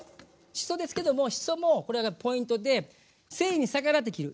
しそですけどもしそもこれがポイントで繊維に逆らって切る。